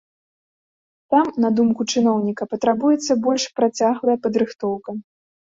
Там, на думку чыноўніка, патрабуецца больш працяглая падрыхтоўка.